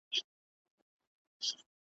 ته پوهیږې د ابا سیوری دي څه سو؟ .